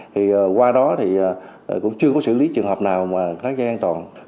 thì qua đó thì cũng chưa có xử lý trường hợp nào mà tắt ghế an toàn